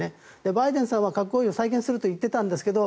バイデンさんは核合意を再建すると言っていたんですけど